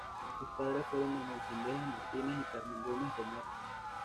Sus padres fueron Manuel Zendejas Martínez y Carmen Gómez Romero.